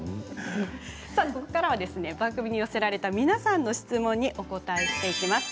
さあ、ここからは番組に寄せられた皆さんの質問にお答えしていきます。